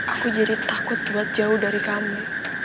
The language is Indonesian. aku jadi takut buat jauh dari kamu